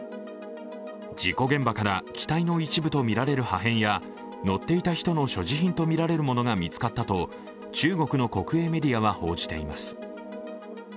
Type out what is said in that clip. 事故現場から、機体の一部とみられる破片や乗っていた人の所持品とみられるものが見つかったと中国の国営メディアは報じています。